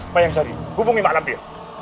mayang sari hubungi mak lampir